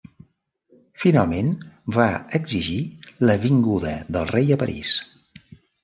Finalment va exigir la vinguda del rei a París.